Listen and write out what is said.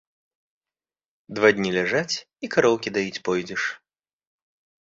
Два дні ляжаць, і кароўкі даіць пойдзеш.